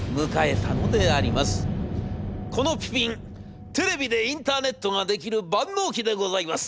『このピピンテレビでインターネットができる万能機でございます。